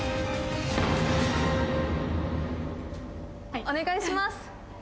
はいお願いします